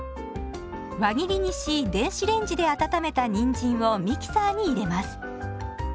輪切りにし電子レンジで温めたにんじんをミキサーに入れます。